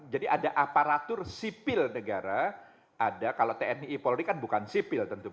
jadi ada aparatur sipil negara ada kalau tni polri kan bukan sipil tentu